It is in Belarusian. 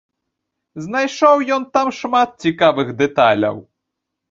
Знайшоў ён там шмат цікавых дэталяў.